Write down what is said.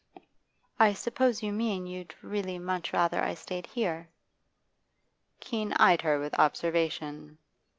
'I suppose you mean you'd really much rather I stayed here?' Keene eyed her with observation.